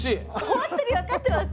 本当に分かってます？